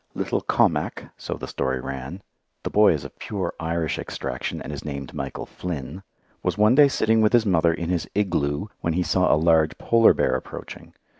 Little Kommak, so the story ran (the boy is of pure Irish extraction, and is named Michael Flynn), was one day sitting with his mother in his igloo when he saw a large polar bear approaching.